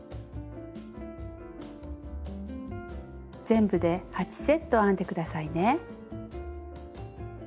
全部で８セット編んで下さいね。